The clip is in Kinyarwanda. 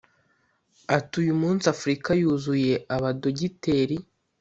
Ati “Uyu munsi Afurika yuzuye abadogiteri